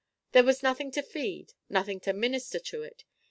There was nothing to feed, nothing to minister to it.